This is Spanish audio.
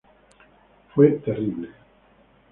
Fue terrible.